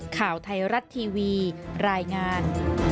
ข่าวไทยรัฐทีวีรายงาน